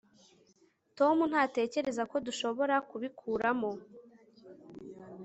tom ntatekereza ko dushobora kubikuramo